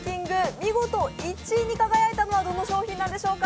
見事、１位に輝いたのはどの商品なんでしょうか。